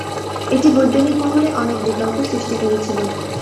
এটি বৈজ্ঞানিক মহলে অনেক বিতর্ক সৃষ্টি করেছিল।